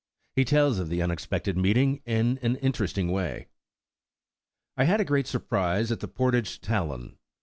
He tells of the unexpected meeting in an interest ing wa.y: '' I had a great surprise at the portage Talon.